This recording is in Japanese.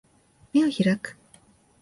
眼を開く